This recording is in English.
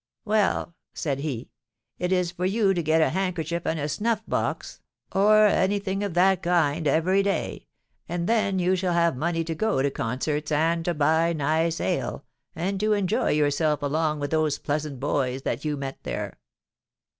'Well,' said he, 'it is for you to get a handkerchief and a snuff box, or any thing of that kind, every day; and then you shall have money to go to concerts, and to buy nice ale, and to enjoy yourself along with those pleasant boys that you met there.'